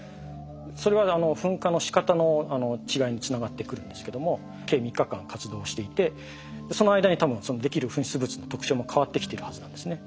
それは噴火のしかたの違いにつながってくるんですけども計３日間活動していてその間に多分できる噴出物の特徴も変わってきてるはずなんですね。